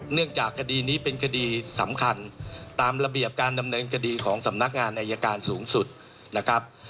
เนื่องจากคดีนี้เป็นคดีสำคัญตามระเบียบการดำเนินคดีของสำนักงานอายการสูงสุดนะครับ